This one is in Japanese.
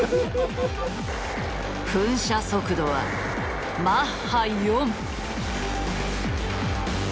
噴射速度はマッハ４。